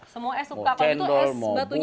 semua es suka kalau itu es batunya aja gimana habib